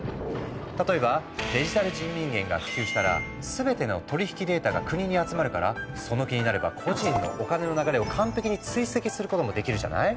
例えばデジタル人民元が普及したら全ての取り引きデータが国に集まるからその気になれば個人のお金の流れを完璧に追跡することもできるじゃない？